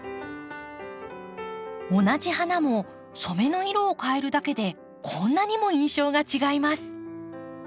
同じ花も染めの色を変えるだけでこんなにも印象が違います。